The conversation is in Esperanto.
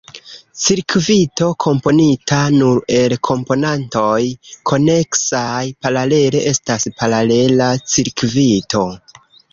Cirkvito komponita nur el komponantoj koneksaj paralele estas paralela cirkvito.